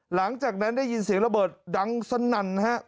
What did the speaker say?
หลังจากนั้นได้ยินเสียงระเบิดดังสนั่นฮะ